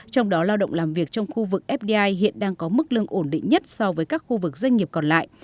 trong đó lao động làm việc trong khu vực fdi hiện đang có mức lương ổn định nhất so với các khu vực doanh nghiệp còn lại